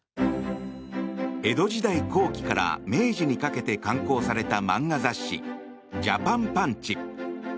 江戸時代後期から明治にかけて刊行された漫画雑誌「ジャパン・パンチ」。